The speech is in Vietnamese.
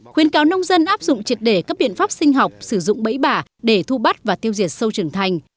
khuyên cáo nông dân áp dụng triệt để các biện pháp sinh học sử dụng bẫy bả để thu bắt và tiêu diệt sâu trưởng thành